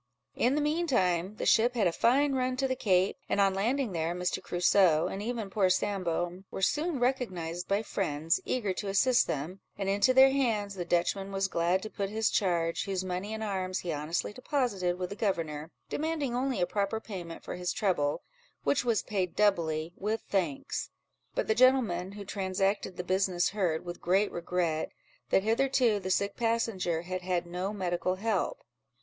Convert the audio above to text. In the mean time, the ship had a fine run to the Cape; and on landing there, Mr. Crusoe, and even poor Sambo, were soon recognised by friends, eager to assist them; and into their hands the Dutchman was glad to put his charge, whose money and arms he honestly deposited with the governor, demanding only a proper payment for his trouble, which was paid doubly, with thanks; but the gentleman who transacted the business heard, with great regret, that hitherto the sick passenger had had no medical help.